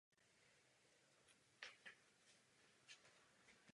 Původní profesí hráč na příčnou flétnu vystudoval Vojenskou konzervatoř v Roudnici nad Labem.